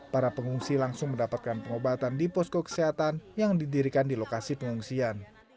para pengungsi langsung mendapatkan pengobatan di posko kesehatan yang didirikan di lokasi pengungsian